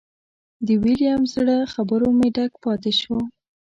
د ویلیم زړه خبرو مې ډک پاتې شو.